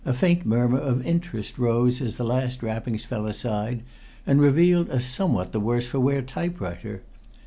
A faint murmur of interest rose as the last wrappings fell aside and revealed a somewhat the worse for wear typewriter.